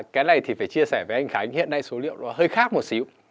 cái này thì phải chia sẻ với anh khánh hiện nay số liệu nó hơi khác một xíu